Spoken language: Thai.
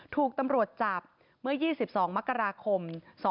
ถูกตำรวจจับเมื่อ๒๒มกราคม๒๕๖